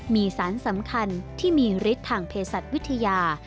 มีสารสำคัญที่มีฤทธิ์ทางเพศัตว์วิทยา